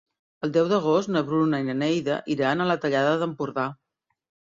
El deu d'agost na Bruna i na Neida iran a la Tallada d'Empordà.